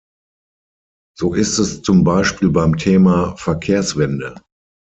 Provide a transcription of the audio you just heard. So ist es zum Beispiel beim Thema Verkehrswende.